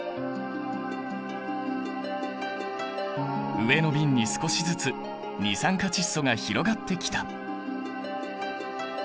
上の瓶に少しずつ二酸化窒素が広がってきた！